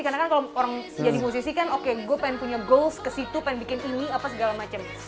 karena kan kalau orang jadi musisi kan oke gue pengen punya goals ke situ pengen bikin ini apa segala macam